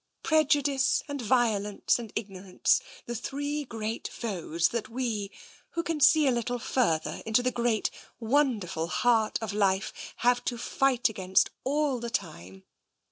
Prejudice and violence and ignorance — the three foes that we, who can see a little further into the great, wonderful Heart of Life, have to fight against all the time.